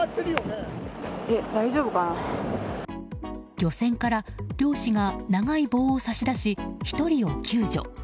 漁船から、漁師が長い棒を差し出し１人を救助。